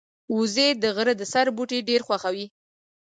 وزې د غره د سر بوټي ډېر خوښوي